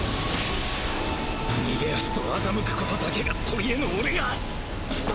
逃げ足と欺くことだけが取り柄の俺が